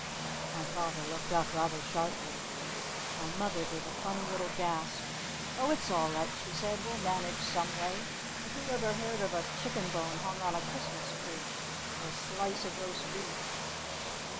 My father looked up rather sharply. My mother gave a funny little gasp. "Oh, it's all right," she said. "We'll manage some way! But who ever heard of a chicken bone hung on a Christmas tree? Or a slice of roast beef?"